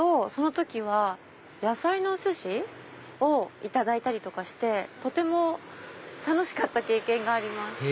その時は野菜のお寿司をいただいたりとかしてとても楽しかった経験があります。